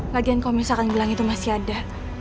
lagian kalau misalkan bilang itu masih ada